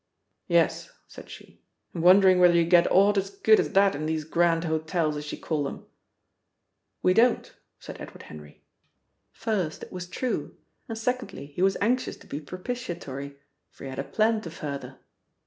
"Yes," said she, "I'm wondering whether you get aught as good as that in these grand hotels, as you call 'em." "We don't," said Edward Henry. First, it was true, and secondly he was anxious to be propitiatory, for he had a plan to further.